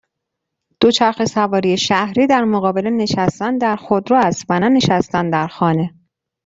دوچرخه سواری شهری در مقابل نشستن در خودرو است و نه نشستن در خانه.